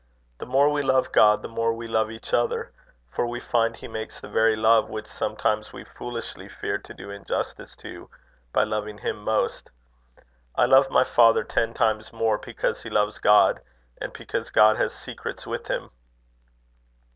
The more we love God, the more we love each other; for we find he makes the very love which sometimes we foolishly fear to do injustice to, by loving him most. I love my father ten times more because he loves God, and because God has secrets with him."